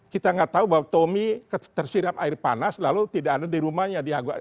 kita nggak tahu bahwa tommy tersirap air panas lalu tidak ada di rumahnya